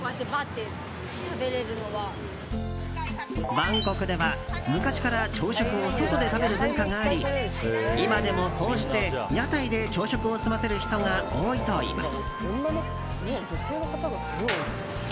バンコクでは、昔から朝食を外で食べる文化があり今でも、こうして屋台で朝食を済ませる人が多いといいます。